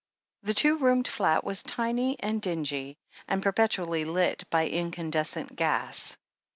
The two roomed flat was tiny and dingy, and per petually lit by incandescent gas.